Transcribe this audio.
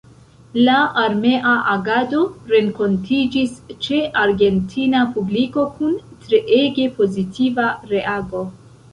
La armea agado renkontiĝis ĉe argentina publiko kun treege pozitiva reago.